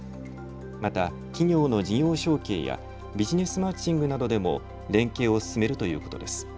また、企業の事業承継やビジネスマッチングなどでも連携を進めるということです。